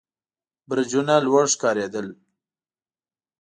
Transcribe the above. برجونه لوړ ښکارېدل.